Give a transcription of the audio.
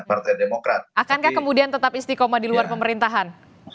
akankah kemudian tetap istikomah di luar pemerintahan